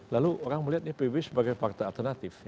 lalu orang melihat ini pbb sebagai partai alternatif